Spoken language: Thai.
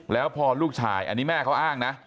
แล้วพอลูกชายอันนี้แม่เขาอ้างนะ